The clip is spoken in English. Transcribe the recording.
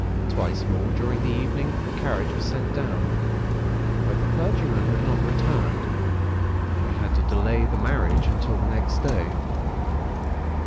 Twice more during the evening the carriage was sent down; but the clergyman had not returned; and we had to delay the marriage until the next day.